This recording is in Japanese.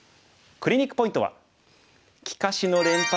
クリニックポイントは。